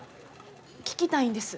聞きたいんです。